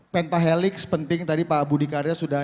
pentahelix penting tadi pak budi karya sudah